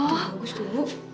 bagus tuh bu